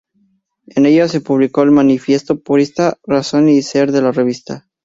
En ella se publicó el manifiesto purista, razón y ser de la revista.